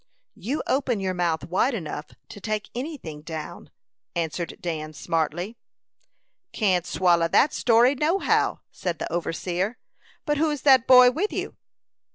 "You open your mouth wide enough to take any thing down," answered Dan, smartly. "Can't swallow that story, no how," said the overseer. "But who's that boy with you?"